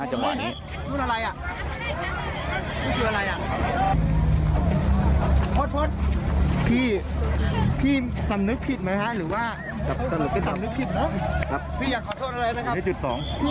ุ๊ยน้องค่อยังเด็กมั้ย